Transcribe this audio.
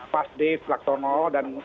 pas deb laktono dan